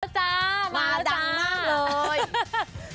มาแล้วจ้ามาแล้วจ้ามาดังมากเลย